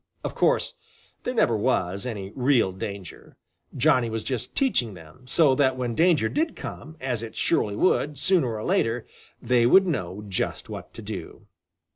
Of course, there never was any real danger. Johnny was just teaching them, so that when danger did come, as it surely would, sooner or later, they would know just what to do.